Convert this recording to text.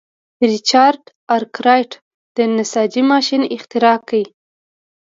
ریچارډ ارکرایټ د نساجۍ ماشین اختراع کړ.